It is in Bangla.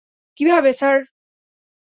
কীভাবে, স্যার?